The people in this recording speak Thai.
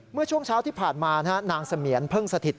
เมื่อช่วงเช้าที่ผ่านมานางเสมียนเพิ่งสถิต